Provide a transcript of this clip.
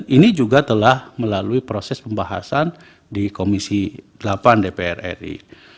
ini juga telah melalui proses pembahasan di komisi delapan dpr ri